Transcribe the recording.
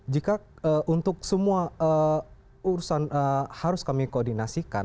jika untuk semua urusan harus kami koordinasikan